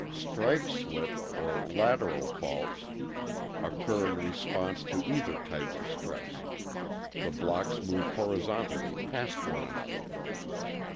Strike slip (lateral) faults occur in response to either type of stress; the blocks move horizontally past one another.